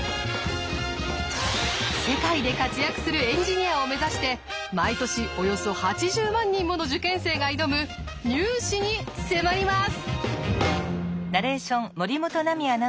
世界で活躍するエンジニアを目指して毎年およそ８０万人もの受験生が挑むニュー試に迫ります！